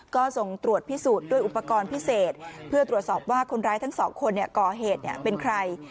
ก็ส่งตรวจพิสูจน์ด้วยอุปกรณ์พิเศษเพื่อตรวจสอบว่าคนร้ายทั้งสองคนก่อเหตุเป็นใคร